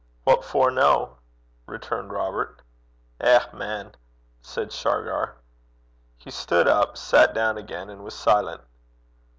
'What for no?' returned Robert. 'Eh, man!' said Shargar. He stood up, sat down again, and was silent.